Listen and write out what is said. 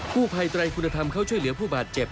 ผู้ภัยไตรคุณธรรมเข้าช่วยเหลือผู้บาดเจ็บ